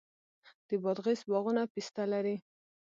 د بادغیس باغونه پسته لري.